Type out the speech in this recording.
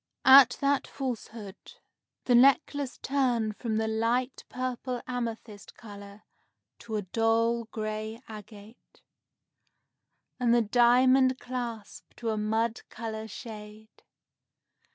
At that falsehood, the necklace turned from the light purple amethyst color to a dull gray agate, and the diamond clasp to a mud color shade.